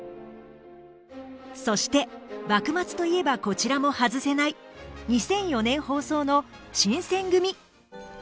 そして幕末といえばこちらも外せない２００４年放送の「新選組！」。